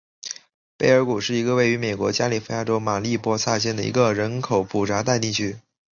贝尔谷是位于美国加利福尼亚州马里波萨县的一个人口普查指定地区。